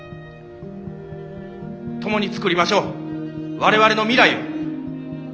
共につくりましょう我々の未来を。